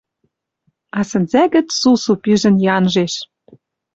А сӹнзӓ гӹц сусу пижӹн янжеш